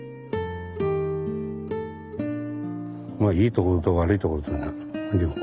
まあいいところと悪いところとだな両方。